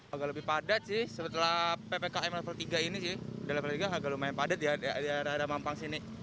agak lebih padat sih setelah ppkm level tiga ini sih di level tiga agak lumayan padat ya di daerah ada mampang sini